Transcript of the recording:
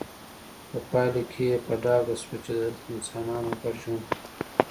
په پایله کې په ډاګه شوه چې دلته انسانانو ګډ ژوند کړی